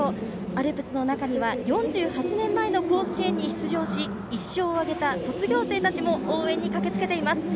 アルプスの中には４８年前の甲子園に出場し１勝を挙げた卒業生たちも応援に駆けつけています。